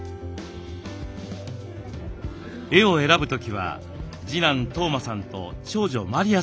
絵を選ぶ時は次男統真さんと長女真璃愛さんと一緒。